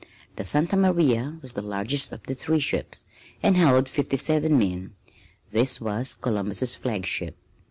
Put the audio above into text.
The Santa Maria was the largest of the three ships, and held fifty seven men. This was Columbus' flagship.